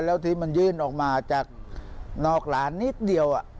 แล้วที่มันยื่นออกมาจากนอกหลานนิดเดียว